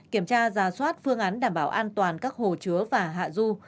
kiểm tra giả soát phương án đảm bảo an toàn các hồ chứa và hạ du